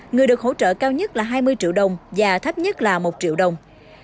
người được hỗ trợ cao nhất là hai mươi triệu đồng và thấp nhất là một triệu đồng